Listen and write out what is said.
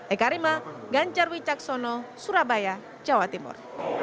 eka rima ganjarwi caksono surabaya jawa timur